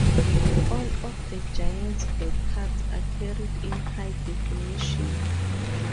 All of the Giants broadcasts are carried in high definition.